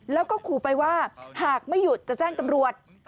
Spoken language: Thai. แล้วก็ขู่ไปว่าหากไม่หยุดจะแจ้งตำรวจ